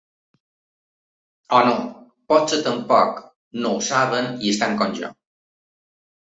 O no, potser tampoc no ho saben i estan com jo.